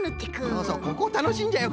そうそうここたのしいんじゃよ